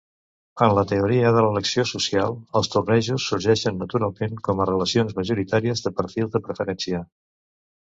En la teoria de l'elecció social, els tornejos sorgeixen naturalment com a relacions majoritàries de perfils de preferència.